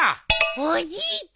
おじいちゃん！？